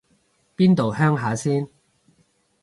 邊度鄉下先